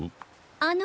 あの。